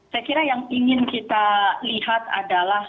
saya kira yang ingin kita lihat adalah